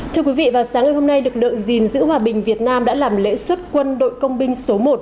thưa quý vị vào sáng hôm nay đội dình giữ hòa bình việt nam đã làm lễ xuất quân đội công binh số một